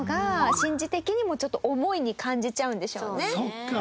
そっか。